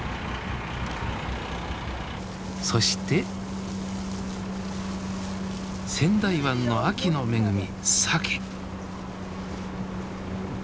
そして仙台湾の秋の恵みサケ。